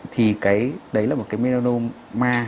thì đấy là một cái melanoma